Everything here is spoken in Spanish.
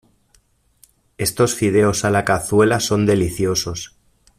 Estos fideos a la cazuela son deliciosos.